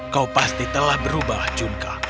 kau pasti telah berubah jungka